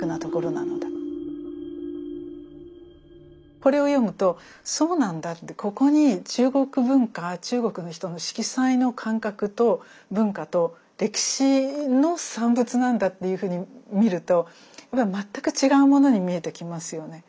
これを読むと「そうなんだ」ってここに中国文化中国の人の色彩の感覚と文化と歴史の産物なんだというふうに見ると全く違うものに見えてきますよね。